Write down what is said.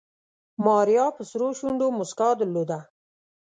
ماريا په سرو شونډو موسکا درلوده.